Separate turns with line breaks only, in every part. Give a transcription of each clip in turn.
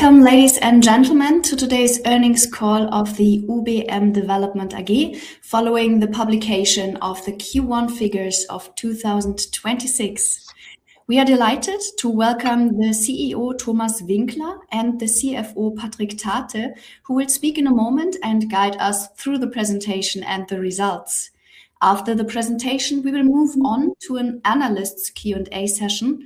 Welcome, ladies and gentlemen, to today's earnings call of the UBM Development AG, following the publication of the Q1 figures of 2026. We are delighted to welcome the CEO, Thomas Winkler, and the CFO, Patric Thate, who will speak in a moment and guide us through the presentation and the results. After the presentation, we will move on to an analyst's Q&A session.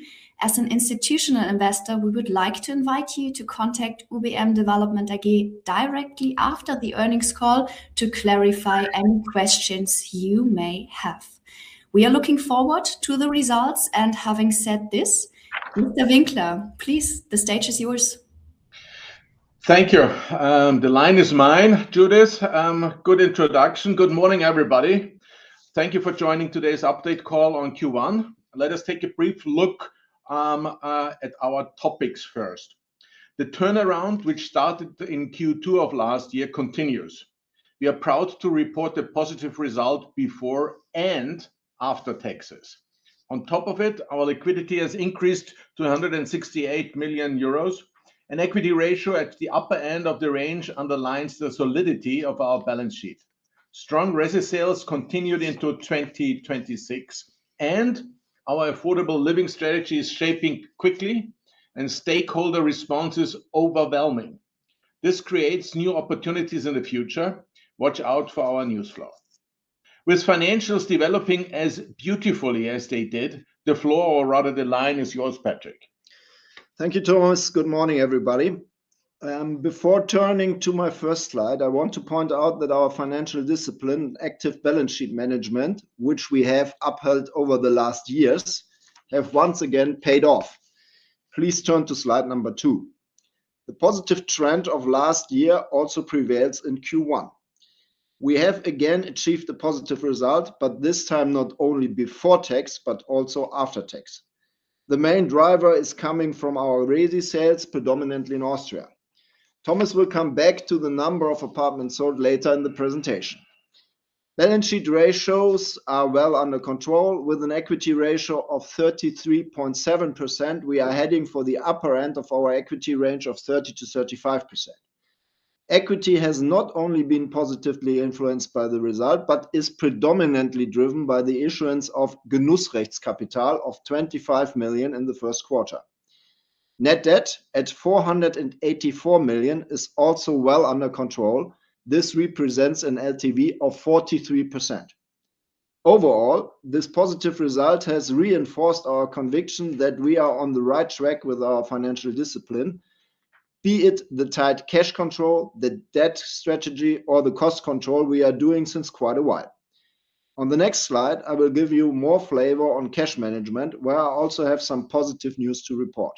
As an institutional investor, we would like to invite you to contact UBM Development AG directly after the earnings call to clarify any questions you may have. We are looking forward to the results. Having said this, Thomas Winkler, please, the stage is yours.
Thank you. The line is mine. Judith, good introduction. Good morning, everybody. Thank you for joining today's update call on Q1. Let us take a brief look at our topics first. The turnaround, which started in Q2 of last year, continues. We are proud to report a positive result before and after taxes. On top of it, our liquidity has increased to 168 million euros. An equity ratio at the upper end of the range underlines the solidity of our balance sheet. Strong resi sales continued into 2026. Our affordable living strategy is shaping quickly and stakeholder response is overwhelming. This creates new opportunities in the future. Watch out for our news flow. With financials developing as beautifully as they did, the floor, or rather the line, is yours, Patric.
Thank you, Thomas. Good morning, everybody. Before turning to my first slide, I want to point out that our financial discipline and active balance sheet management, which we have upheld over the last years, have once again paid off. Please turn to slide number two. The positive trend of last year also prevails in Q1. We have again achieved a positive result, but this time not only before tax, but also after tax. The main driver is coming from our resi sales, predominantly in Austria. Thomas will come back to the number of apartments sold later in the presentation. Balance sheet ratios are well under control. With an equity ratio of 33.7%, we are heading for the upper end of our equity range of 30%-35%. Equity has not only been positively influenced by the result, but is predominantly driven by the issuance of Genussrecht capital of 25 million in the first quarter. Net debt at 484 million is also well under control. This represents an LTV of 43%. Overall, this positive result has reinforced our conviction that we are on the right track with our financial discipline, be it the tight cash control, the debt strategy, or the cost control we are doing since quite a while. On the next slide, I will give you more flavor on cash management, where I also have some positive news to report.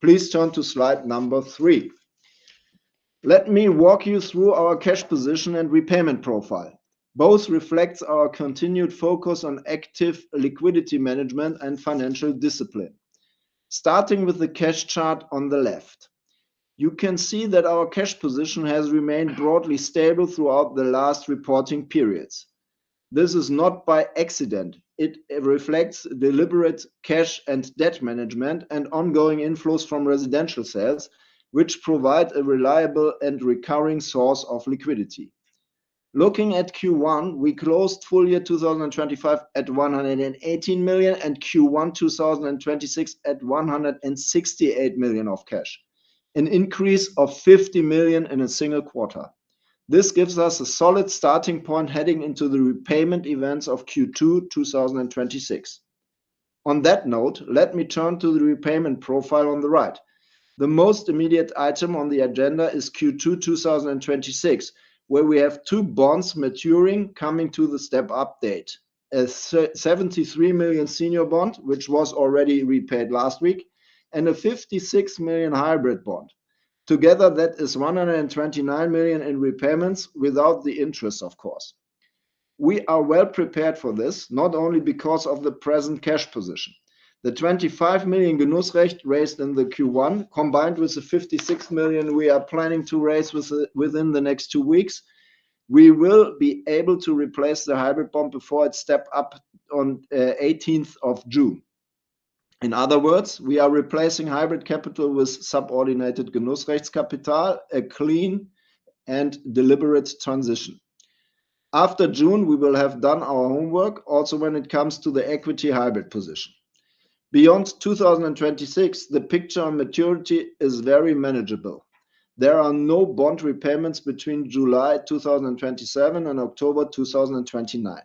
Please turn to slide number three. Let me walk you through our cash position and repayment profile. Both reflects our continued focus on active liquidity management and financial discipline. Starting with the cash chart on the left. You can see that our cash position has remained broadly stable throughout the last reporting periods. This is not by accident. It reflects deliberate cash and debt management and ongoing inflows from residential sales, which provide a reliable and recurring source of liquidity. Looking at Q1, we closed full year 2025 at 118 million and Q1 2026 at 168 million of cash. An increase of 50 million in a single quarter. This gives us a solid starting point heading into the repayment events of Q2 2026. On that note, let me turn to the repayment profile on the right. The most immediate item on the agenda is Q2 2026, where we have two bonds maturing coming to the step update. A 73 million senior bond, which was already repaid last week, and a 56 million hybrid bond. Together, that is 129 million in repayments without the interest, of course. We are well prepared for this, not only because of the present cash position. The 25 million Genussrecht raised in the Q1, combined with the 56 million we are planning to raise within the next two weeks. We will be able to replace the hybrid bond before it step up on June 18th. In other words, we are replacing hybrid capital with subordinated Genussrechts capital, a clean and deliberate transition. After June, we will have done our homework also when it comes to the equity hybrid position. Beyond 2026, the picture on maturity is very manageable. There are no bond repayments between July 2027 and October 2029.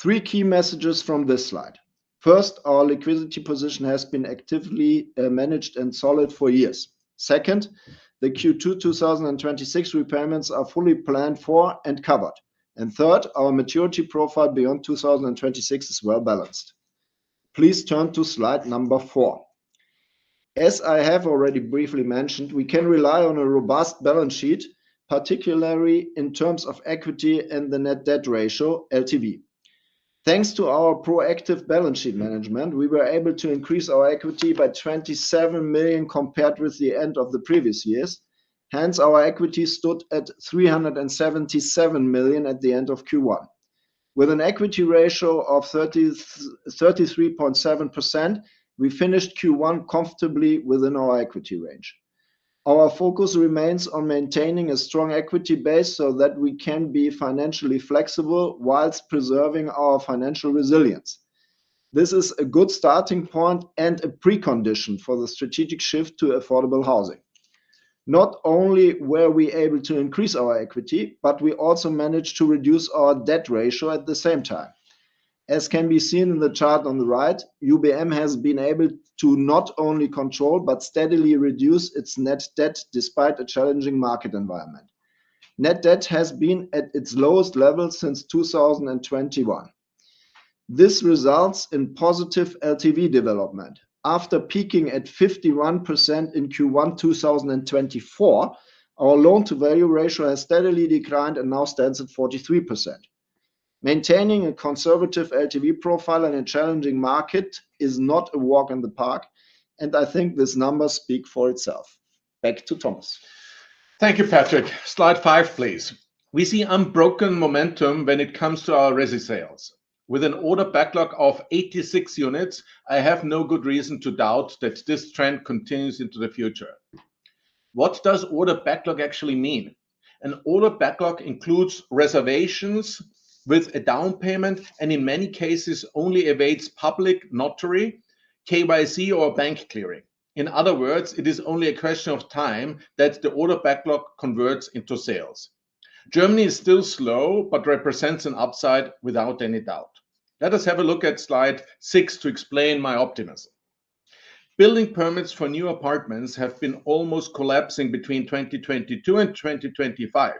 Three key messages from this slide. First, our liquidity position has been actively managed and solid for years. Second, the Q2 2026 repayments are fully planned for and covered. Third, our maturity profile beyond 2026 is well balanced. Please turn to slide number four. As I have already briefly mentioned, we can rely on a robust balance sheet, particularly in terms of equity and the net debt ratio, LTV. Thanks to our proactive balance sheet management, we were able to increase our equity by 27 million compared with the end of the previous years. Hence, our equity stood at 377 million at the end of Q1. With an equity ratio of 33.7%, we finished Q1 comfortably within our equity range. Our focus remains on maintaining a strong equity base so that we can be financially flexible while preserving our financial resilience. This is a good starting point and a precondition for the strategic shift to affordable housing. Not only were we able to increase our equity, but we also managed to reduce our debt ratio at the same time. As can be seen in the chart on the right, UBM has been able to not only control, but steadily reduce its net debt despite a challenging market environment. Net debt has been at its lowest level since 2021. This results in positive LTV development. After peaking at 51% in Q1 2024, our loan-to-value ratio has steadily declined and now stands at 43%. Maintaining a conservative LTV profile in a challenging market is not a walk in the park, and I think these numbers speak for itself. Back to Thomas.
Thank you, Patric. Slide five, please. We see unbroken momentum when it comes to our resi sales. With an order backlog of 86 units, I have no good reason to doubt that this trend continues into the future. What does order backlog actually mean? An order backlog includes reservations with a down payment, and in many cases only awaits public notary, KYC, or bank clearing. In other words, it is only a question of time that the order backlog converts into sales. Germany is still slow, represents an upside without any doubt. Let us have a look at slide six to explain my optimism. Building permits for new apartments have been almost collapsing between 2022 and 2025.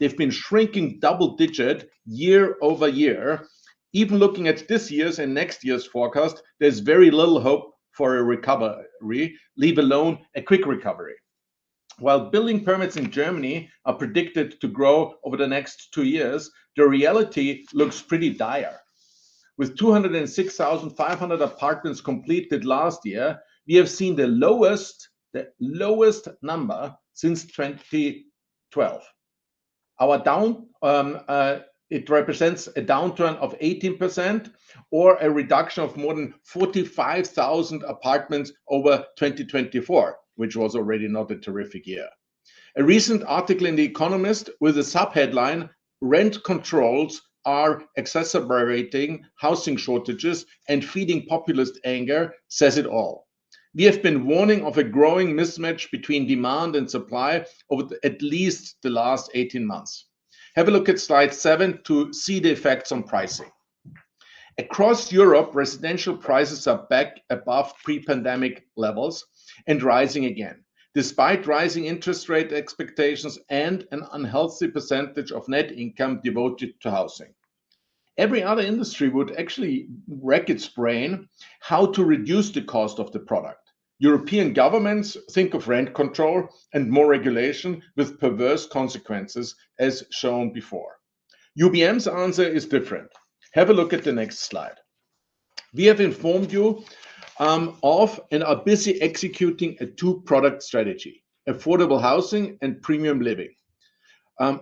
They've been shrinking double-digit year-over-year. Even looking at this year's and next year's forecast, there's very little hope for a recovery, leave alone a quick recovery. While building permits in Germany are predicted to grow over the next two years, the reality looks pretty dire. With 206,500 apartments completed last year, we have seen the lowest number since 2012. It represents a downturn of 18%, or a reduction of more than 45,000 apartments over 2024, which was already not a terrific year. A recent article in The Economist with the sub-headline, "Rent Controls Are Exacerbating Housing Shortages and Feeding Populist Anger" says it all. We have been warning of a growing mismatch between demand and supply over at least the last 18 months. Have a look at slide seven to see the effects on pricing. Across Europe, residential prices are back above pre-pandemic levels and rising again, despite rising interest rate expectations and an unhealthy percentage of net income devoted to housing. Every other industry would actually rack its brain how to reduce the cost of the product. European governments think of rent control and more regulation with perverse consequences, as shown before. UBM's answer is different. Have a look at the next slide. We have informed you of and are busy executing a two-product strategy: affordable housing and premium living.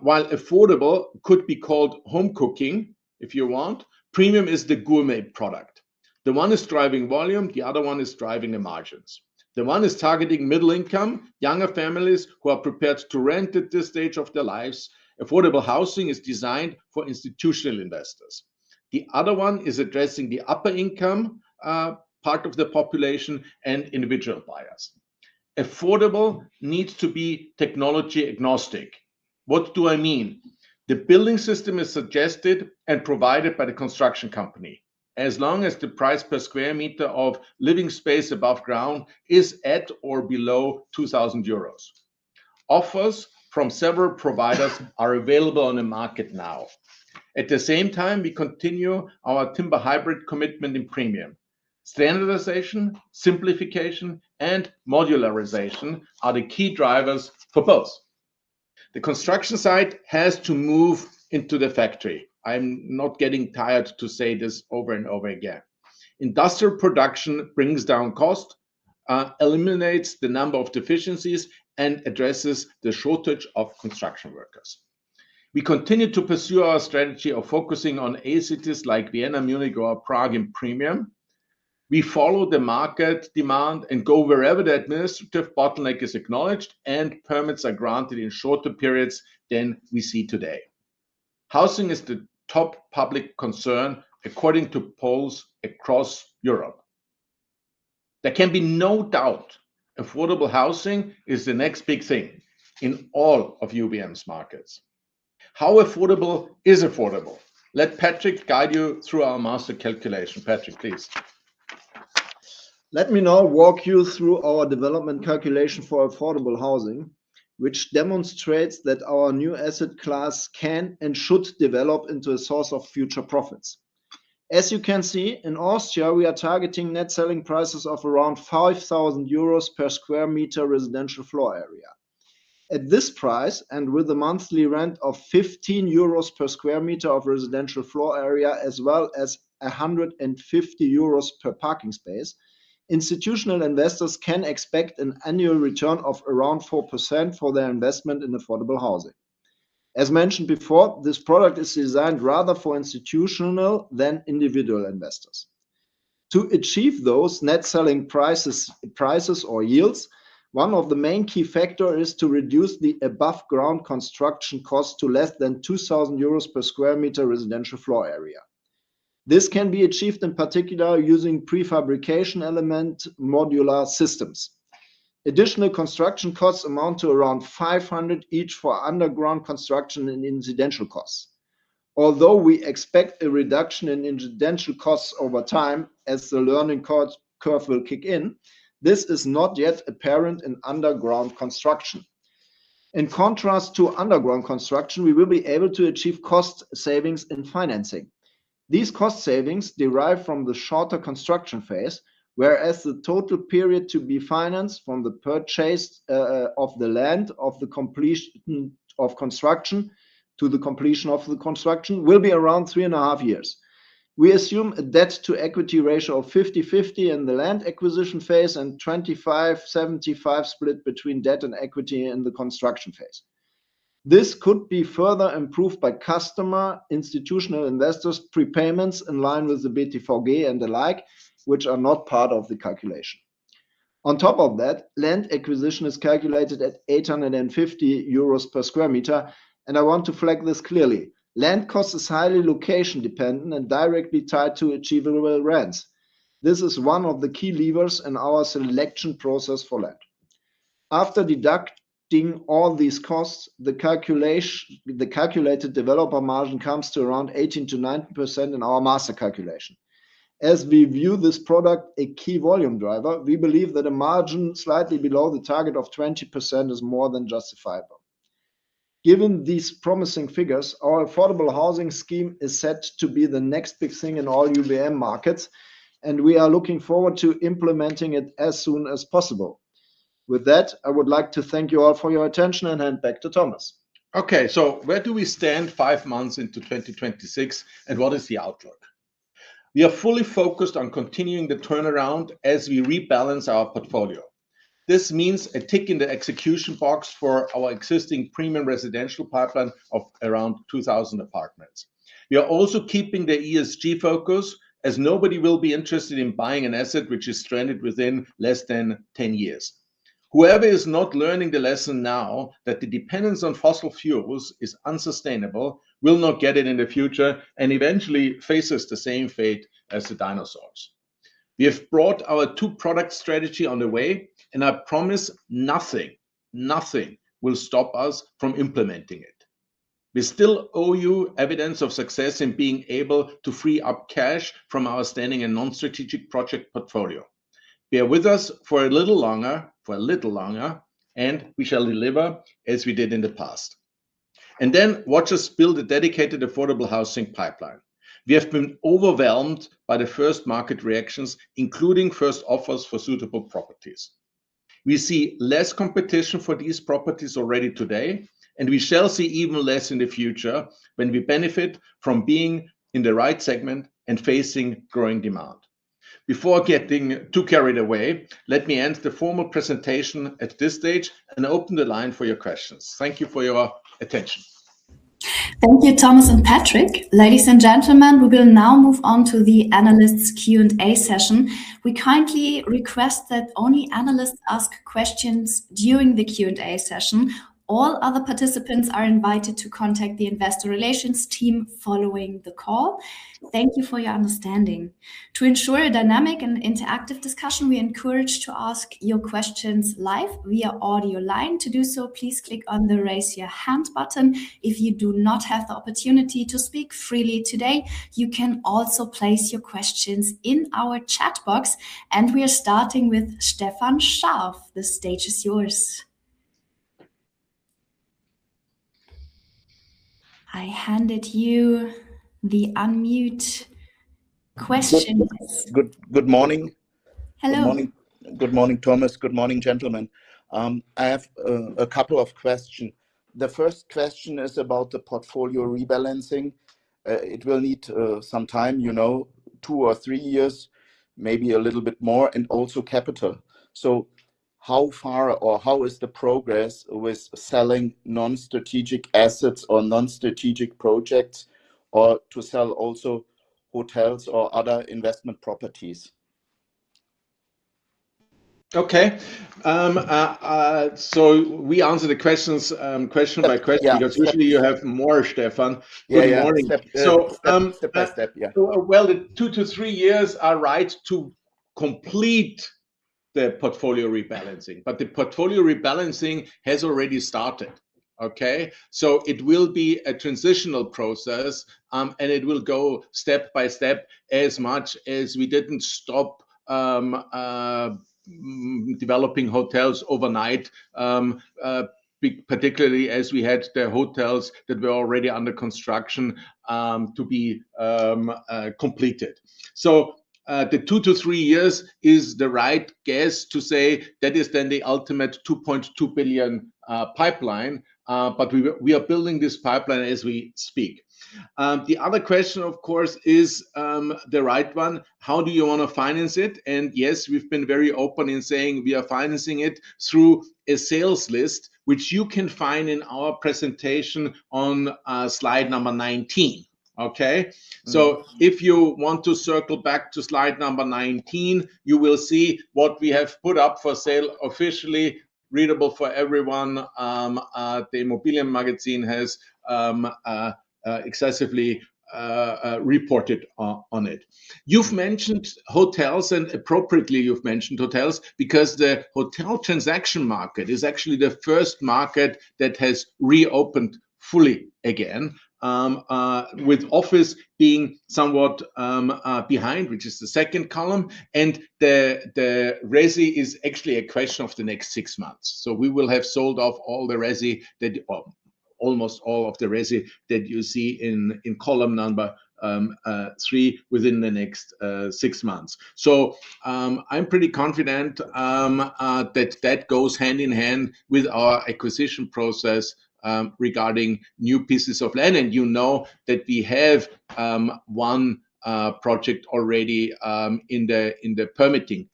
While affordable could be called home cooking if you want, premium is the gourmet product. The one is driving volume, the other one is driving the margins. The one is targeting middle income, younger families who are prepared to rent at this stage of their lives. Affordable housing is designed for institutional investors. The other one is addressing the upper income, part of the population, and individual buyers. Affordable needs to be technology agnostic. What do I mean? The building system is suggested and provided by the construction company, as long as the price per square meter of living space above ground is at or below 2,000 euros. Offers from several providers are available on the market now. At the same time, we continue our timber hybrid commitment in premium. Standardization, simplification, and modularization are the key drivers for both. The construction site has to move into the factory. I'm not getting tired to say this over and over again. Industrial production brings down cost, eliminates the number of deficiencies, and addresses the shortage of construction workers. We continue to pursue our strategy of focusing on A cities like Vienna, Munich, or Prague in premium. We follow the market demand and go wherever the administrative bottleneck is acknowledged and permits are granted in shorter periods than we see today. Housing is the top public concern, according to polls across Europe. There can be no doubt affordable housing is the next big thing in all of UBM's markets. How affordable is affordable? Let Patric guide you through our master calculation. Patric, please.
Let me now walk you through our development calculation for affordable housing, which demonstrates that our new asset class can and should develop into a source of future profits. As you can see, in Austria, we are targeting net selling prices of around 5,000 euros/sq m residential floor area. At this price, and with a monthly rent of 15 euros/sq m of residential floor area, as well as 150 euros per parking space, institutional investors can expect an annual return of around 4% for their investment in affordable housing. As mentioned before, this product is designed rather for institutional than individual investors. To achieve those net selling prices or yields, one of the main key factor is to reduce the above ground construction cost to less than 2,000 euros/sq m residential floor area. This can be achieved, in particular, using prefabrication element modular systems. Additional construction costs amount to around 500 each for underground construction and incidental costs. Although we expect a reduction in incidental costs over time as the learning curve will kick in, this is not yet apparent in underground construction. In contrast to underground construction, we will be able to achieve cost savings in financing. These cost savings derive from the shorter construction phase, whereas the total period to be financed from the purchase of the land, of the completion of construction, to the completion of the construction, will be around three and a half years. We assume a debt-to-equity ratio of 50/50 in the land acquisition phase and 25/75 split between debt and equity in the construction phase. This could be further improved by customer institutional investors prepayments in line with the BTVG and the like, which are not part of the calculation. Land acquisition is calculated at 850 euros per square meter. I want to flag this clearly. Land cost is highly location dependent and directly tied to achievable rents. This is one of the key levers in our selection process for land. After deducting all these costs, the calculated developer margin comes to around 18%-19% in our master calculation. As we view this product a key volume driver, we believe that a margin slightly below the target of 20% is more than justifiable. Given these promising figures, our affordable housing scheme is set to be the next big thing in all UBM markets, we are looking forward to implementing it as soon as possible. With that, I would like to thank you all for your attention and hand back to Thomas.
Okay. Where do we stand five months into 2026, and what is the outlook? We are fully focused on continuing the turnaround as we rebalance our portfolio. This means a tick in the execution box for our existing premium residential pipeline of around 2,000 apartments. We are also keeping the ESG focus as nobody will be interested in buying an asset which is stranded within less than 10 years. Whoever is not learning the lesson now that the dependence on fossil fuels is unsustainable will not get it in the future and eventually faces the same fate as the dinosaurs. We have brought our two-product strategy on the way, and I promise, nothing will stop us from implementing it. We still owe you evidence of success in being able to free up cash from our standing and non-strategic project portfolio. Bear with us for a little longer, and we shall deliver as we did in the past. Watch us build a dedicated affordable housing pipeline. We have been overwhelmed by the first market reactions, including first offers for suitable properties. We see less competition for these properties already today, and we shall see even less in the future when we benefit from being in the right segment and facing growing demand. Before getting too carried away, let me end the formal presentation at this stage and open the line for your questions. Thank you for your attention.
Thank you, Thomas and Patric. Ladies and gentlemen, we will now move on to the analysts Q&A session. We kindly request that only analysts ask questions during the Q&A session. All other participants are invited to contact the investor relations team following the call. Thank you for your understanding. To ensure a dynamic and interactive discussion, we encourage to ask your questions live via audio line. To do so, please click on the Raise Your Hand button. If you do not have the opportunity to speak freely today, you can also place your questions in our chat box. We are starting with Stefan Scharff. The stage is yours. I handed you the unmute question.
Good morning.
Hello.
Good morning, Thomas. Good morning, gentlemen. I have a couple of question. The first question is about the portfolio rebalancing. It will need some time, two or three years, maybe a little bit more, and also capital. How far or how is the progress with selling non-strategic assets or non-strategic projects, or to sell also hotels or other investment properties?
Okay. We answer the questions question-by-question.
Yeah
Usually you have more, Stefan.
Yeah.
Good morning.
Step by step, yeah.
Well, two to three years are right to complete the portfolio rebalancing, the portfolio rebalancing has already started. Okay? It will be a transitional process, and it will go step by step as much as we didn't stop developing hotels overnight, particularly as we had the hotels that were already under construction to be completed. The two to three years is the right guess to say that is then the ultimate 2.2 billion pipeline. We are building this pipeline as we speak. The other question, of course, is the right one. How do you want to finance it? Yes, we've been very open in saying we are financing it through a sales list, which you can find in our presentation on slide number 19. Okay. If you want to circle back to slide number 19, you will see what we have put up for sale officially, readable for everyone. The Immobilien Magazin has excessively reported on it. You've mentioned hotels, and appropriately you've mentioned hotels, because the hotel transaction market is actually the first market that has reopened fully again, with office being somewhat behind, which is the second column. The resi is actually a question of the next six months. We will have sold off almost all of the resi that you see in column number three within the next six months. I'm pretty confident that goes hand in hand with our acquisition process regarding new pieces of land. You know that we have one project already in the permitting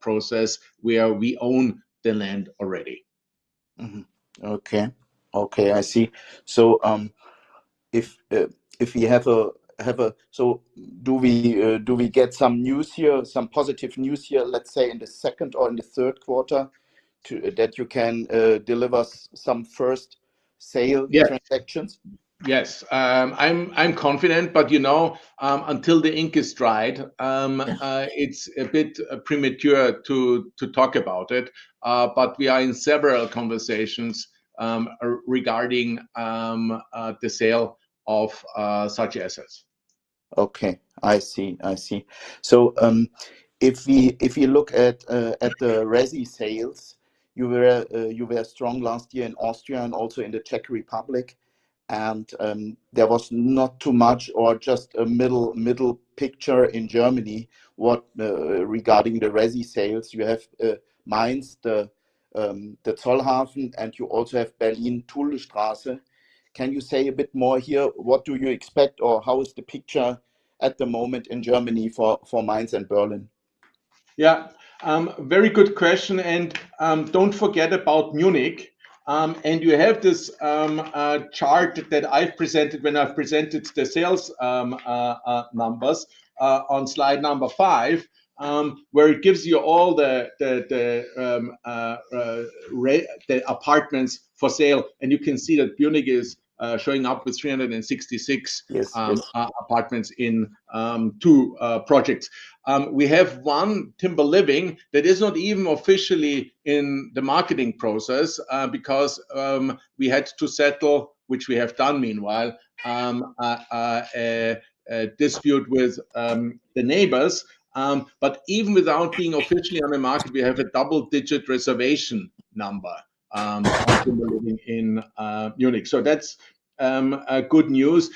process where we own the land already.
Okay. Okay, I see. Do we get some positive news here, let's say in the second or in the third quarter, that you can deliver some first sale transactions?
Yes. I'm confident, until the ink is dried, it's a bit premature to talk about it. We are in several conversations regarding the sale of such assets.
Okay. I see. If you look at the resi sales, you were strong last year in Austria and also in the Czech Republic. There was not too much or just a middle picture in Germany regarding the resi sales. You have Mainz, the Zollhafen, and you also have Berlin, Talstrasse. Can you say a bit more here? What do you expect, or how is the picture at the moment in Germany for Mainz and Berlin?
Yeah. Very good question. Don't forget about Munich. You have this chart that I've presented when I've presented the sales numbers on slide number five, where it gives you all the apartments for sale. You can see that Munich is showing up with 366-
Yes.
...apartments in two projects. We have one Timber Living that is not even officially in the marketing process because we had to settle, which we have done meanwhile, a dispute with the neighbors. Even without being officially on the market, we have a double-digit reservation number in Munich. That's good news.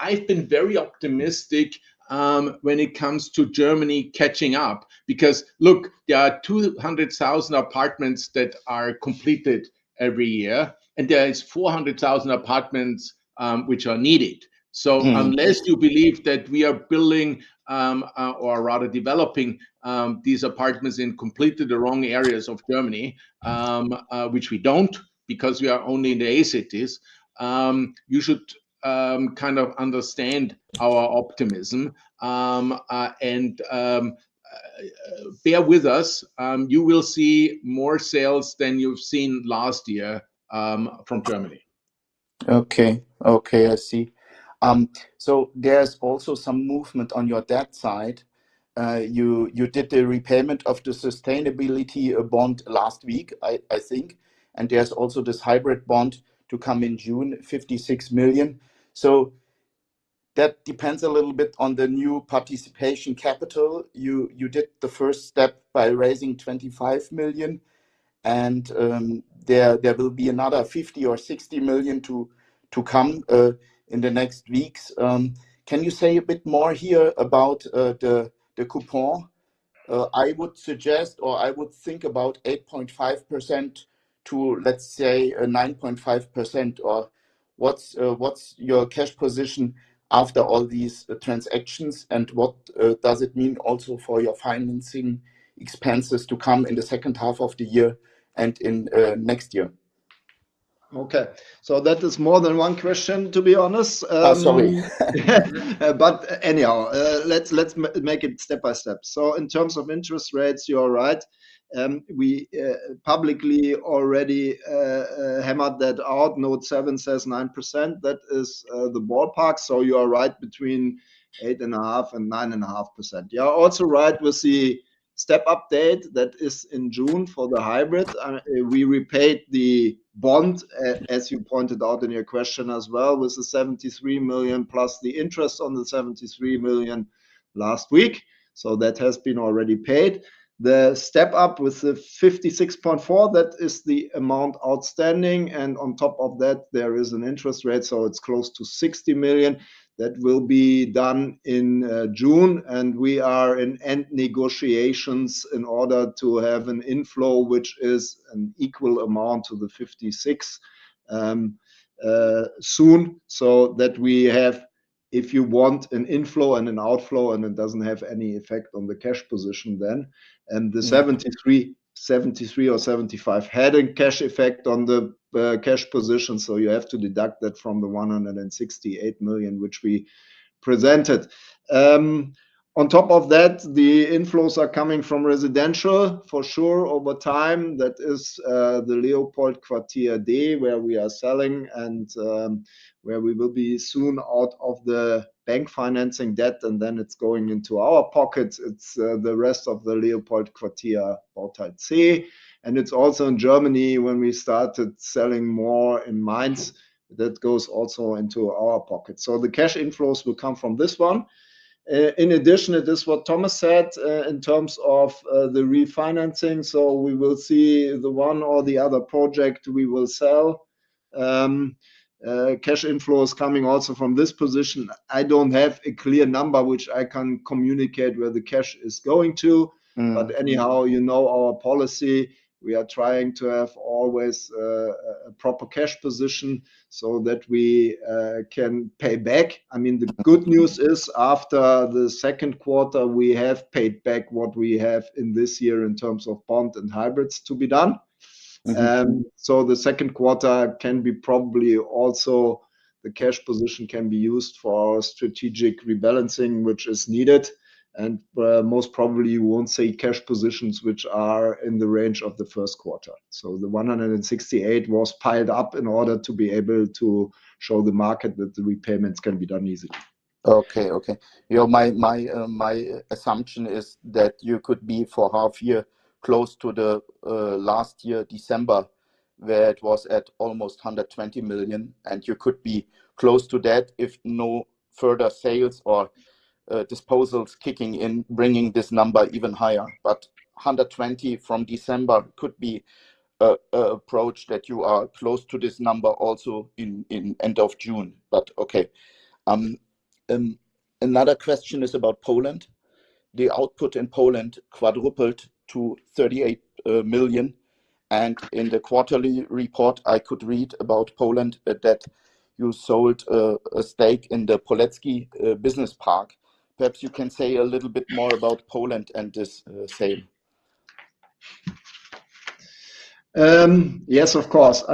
I've been very optimistic when it comes to Germany catching up, because look, there are 200,000 apartments that are completed every year. There is 400,000 apartments which are needed. Unless you believe that we are building, or rather developing these apartments in completely the wrong areas of Germany, which we don't because we are only in the A cities, you should kind of understand our optimism. Bear with us, you will see more sales than you've seen last year from Germany.
Okay, I see. There's also some movement on your debt side. You did the repayment of the sustainability bond last week, I think. There's also this hybrid bond to come in June, 56 million. That depends a little bit on the new participation capital. You did the first step by raising 25 million, and there will be another 50 million or 60 million to come in the next weeks. Can you say a bit more here about the coupon? I would suggest, or I would think about 8.5%-9.5%, or what's your cash position after all these transactions? What does it mean also for your financing expenses to come in the second half of the year and in next year?
Okay. That is more than one question, to be honest.
Oh, sorry.
Anyhow, let's make it step by step. In terms of interest rates, you're right. We publicly already hammered that out. Note seven says 9%. That is the ballpark. You are right between 8.5%-9.5%. You are also right with the step-up date. That is in June for the hybrids. We repaid the bond, as you pointed out in your question as well, with 73 million+ the interest on the 73 million last week. That has been already paid. The step-up with 56.4, that is the amount outstanding, and on top of that, there is an interest rate, so it's close to 60 million. That will be done in June, and we are in end negotiations in order to have an inflow, which is an equal amount to 56 soon, so that we have If you want an inflow and an outflow and it doesn't have any effect on the cash position then. The 73 or 75 had a cash effect on the cash position, so you have to deduct that from the 168 million which we presented. On top of that, the inflows are coming from residential for sure over time. That is the LeopoldQuartier D, where we are selling and where we will be soon out of the bank financing debt and then it's going into our pockets. It's the rest of the LeopoldQuartier Bauteil C. It's also in Germany when we started selling more in Mainz. That goes also into our pocket. The cash inflows will come from this one. In addition to this, what Thomas said in terms of the refinancing, so we will see the one or the other project we will sell. Cash inflows coming also from this position. I don't have a clear number which I can communicate where the cash is going to. Anyhow, you know our policy. We are trying to have always a proper cash position so that we can pay back. The good news is after the second quarter, we have paid back what we have in this year in terms of bond and hybrids to be done. The second quarter can be probably also the cash position can be used for our strategic rebalancing, which is needed, and most probably you won't see cash positions which are in the range of the first quarter. The 168 was piled up in order to be able to show the market that the repayments can be done easily.
Okay. My assumption is that you could be for half year close to the last year, December, where it was at almost 120 million, and you could be close to that if no further sales or disposals kicking in, bringing this number even higher. 120 from December could be approached that you are close to this number also in end of June. Okay. Another question is about Poland. The output in Poland quadrupled to 38 million. In the quarterly report I could read about Poland that you sold a stake in the Poleczki Business Park. Perhaps you can say a little bit more about Poland and this sale.
Yes, of course.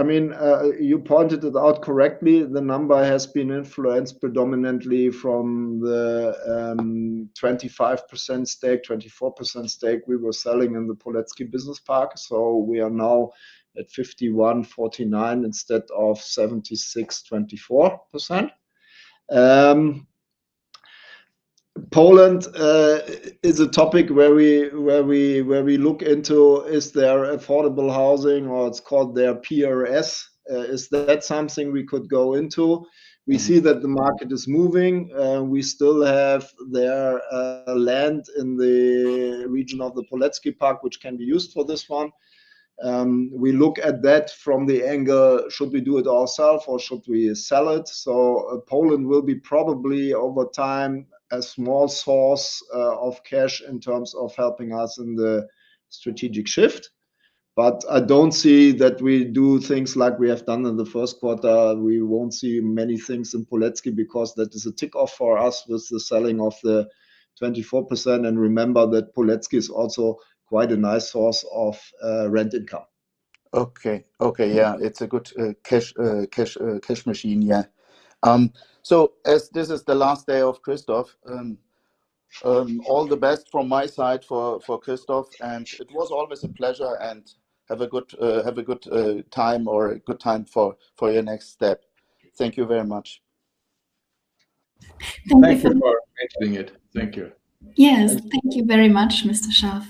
You pointed it out correctly. The number has been influenced predominantly from the 25% stake, 24% stake we were selling in the Poleczki Business Park. We are now at 51%-49% instead of 76%-24%. Poland is a topic where we look into, is there affordable housing or it's called their PRS. Is that something we could go into? We see that the market is moving. We still have their land in the region of the Poleczki Park, which can be used for this one. We look at that from the angle, should we do it ourself or should we sell it? Poland will be probably, over time, a small source of cash in terms of helping us in the strategic shift. I don't see that we do things like we have done in the first quarter. We won't see many things in Poleczki because that is a tick off for us with the selling of the 24%. Remember that Poleczki is also quite a nice source of rent income.
Okay. Yeah. It's a good cash machine, yeah. As this is the last day of Christoph, all the best from my side for Christoph, and it was always a pleasure and have a good time or a good time for your next step. Thank you very much.
Thank you for mentioning it. Thank you.
Yes. Thank you very much, Mr. Scharff.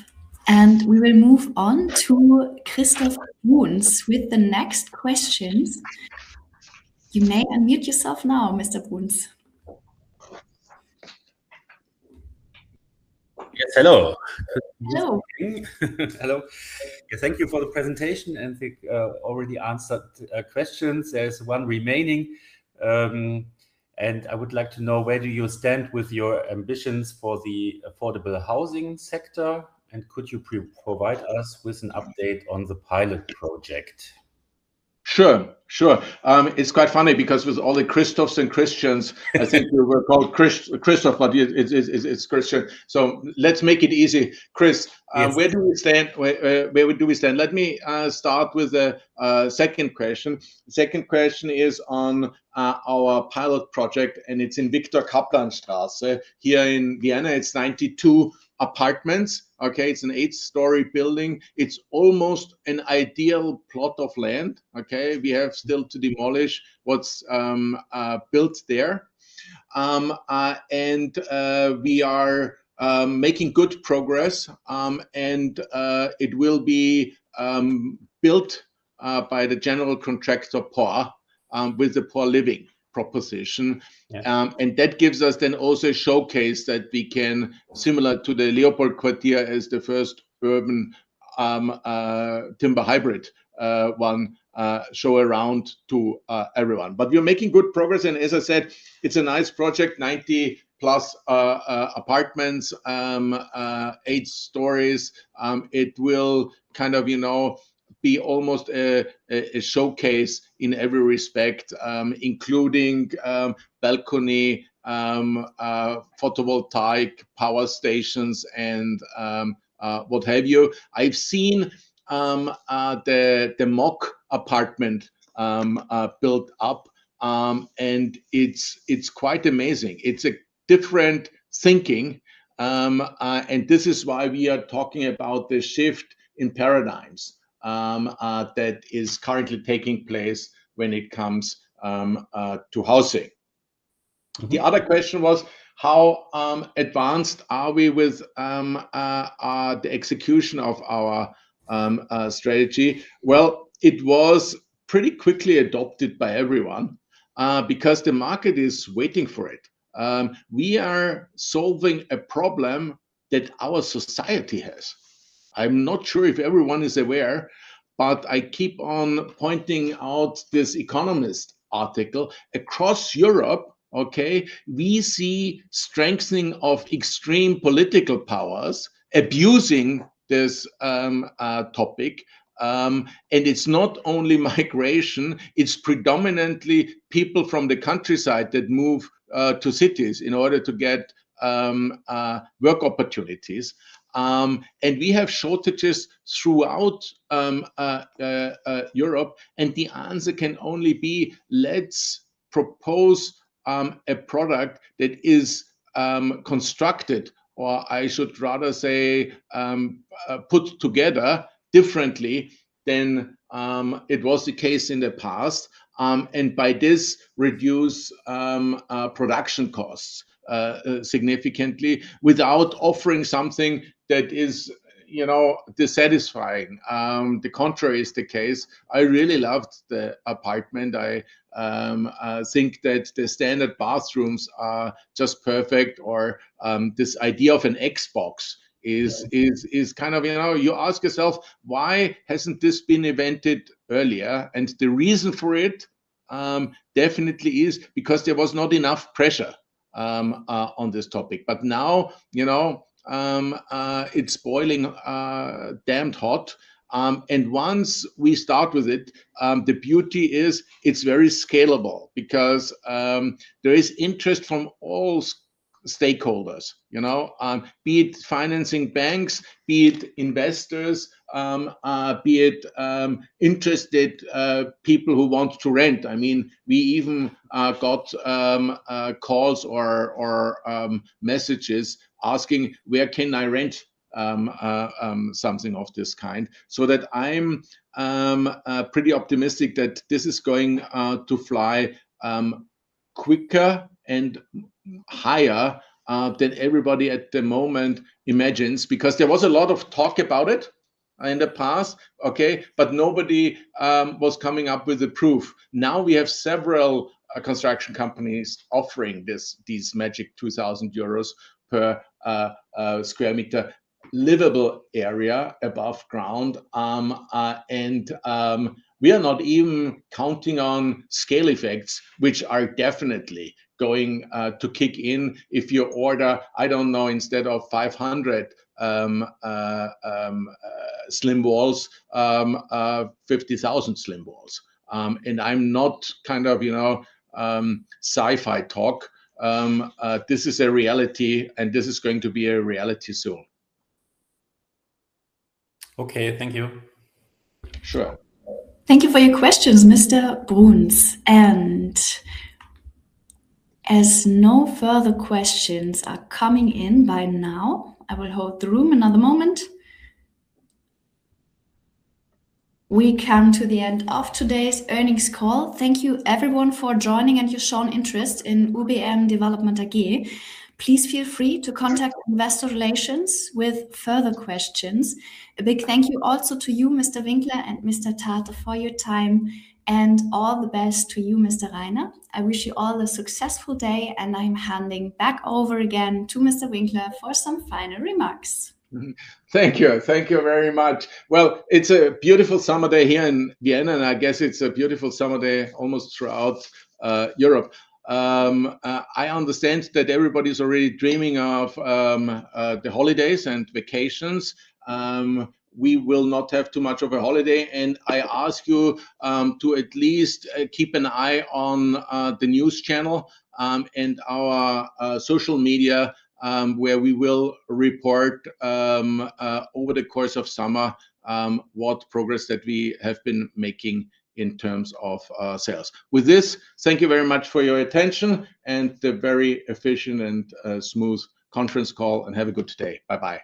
We will move on to Christoph Bruns with the next questions. You may unmute yourself now, Mr. Bruns.
Yes, hello.
Hello.
Hello. Thank you for the presentation and the already answered questions. There's one remaining. I would like to know where do you stand with your ambitions for the affordable housing sector, and could you provide us with an update on the pilot project?
Sure. It's quite funny because with all the Christophs and Christians, I think you were called Christoph, but it's Christian. Let's make it easy-
Yes.
...where do we stand? Let me start with the second question. Second question is on our pilot project, and it's in Viktor Kaplan Straße here in Vienna. It's 92 apartments. Okay? It's an eight-story building. It's almost an ideal plot of land. Okay? We have still to demolish what's built there. We are making good progress. It will be built by the general contractor, PORR. With the PORR Living proposition.
Yeah.
That gives us then also a showcase that we can, similar to the LeopoldQuartier as the first urban timber hybrid one, show around to everyone. We are making good progress, and as I said, it's a nice project, 90+ apartments, eight stories. It will be almost a showcase in every respect, including balcony, photovoltaic power stations, and what have you. I've seen the mock apartment built up, and it's quite amazing. It's a different thinking, and this is why we are talking about the shift in paradigms that is currently taking place when it comes to housing. The other question was how advanced are we with the execution of our strategy? Well, it was pretty quickly adopted by everyone, because the market is waiting for it. We are solving a problem that our society has. I'm not sure if everyone is aware, but I keep on pointing out this The Economist article. Across Europe, okay, we see strengthening of extreme political powers abusing this topic. It's not only migration, it's predominantly people from the countryside that move to cities in order to get work opportunities. We have shortages throughout Europe. The answer can only be, let's propose a product that is constructed, or I should rather say, put together differently than it was the case in the past. By this, reduce production costs significantly without offering something that is dissatisfying. The contrary is the case. I really loved the apartment. I think that the standard bathrooms are just perfect, or this idea of an X box is-
Right.
You ask yourself, why hasn't this been invented earlier? The reason for it definitely is because there was not enough pressure on this topic. Now, it's boiling damned hot. Once we start with it, the beauty is it's very scalable because there is interest from all stakeholders. Be it financing banks, be it investors, be it interested people who want to rent. We even got calls or messages asking, "Where can I rent something of this kind?" I'm pretty optimistic that this is going to fly quicker and higher than everybody at the moment imagines because there was a lot of talk about it in the past, okay, but nobody was coming up with the proof. Now we have several construction companies offering these magic 2,000 euros/sq m livable area above ground. We are not even counting on scale effects, which are definitely going to kick in if you order, I don't know, instead of 500 Slim walls, 50,000 Slim walls. I'm not kind of sci-fi talk. This is a reality, and this is going to be a reality soon.
Okay. Thank you.
Sure.
Thank you for your questions, Mr. Bruns. As no further questions are coming in by now, I will hold the room another moment. We come to the end of today's earnings call. Thank you everyone for joining and your shown interest in UBM Development AG. Please feel free to contact investor relations with further questions. A big thank you also to you, Mr. Winkler and Mr. Thate for your time, and all the best to you, Mr. Rainer. I wish you all a successful day, and I'm handing back over again to Mr. Winkler for some final remarks.
Thank you. Thank you very much. It's a beautiful summer day here in Vienna, and I guess it's a beautiful summer day almost throughout Europe. I understand that everybody's already dreaming of the holidays and vacations. We will not have too much of a holiday, and I ask you to at least keep an eye on the news channel, and our social media, where we will report over the course of summer what progress that we have been making in terms of sales. With this, thank you very much for your attention and the very efficient and smooth conference call, and have a good day. Bye-bye.